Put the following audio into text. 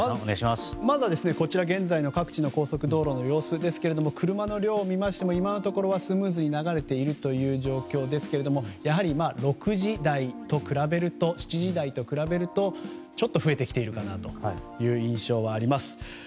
まずはこちら、現在の各地の高速道路の様子ですが車の量を見ましても今のところはスムーズに流れている状況ですがやはり６時台や７時台と比べるとちょっと増えてきてるかなという印象はあります。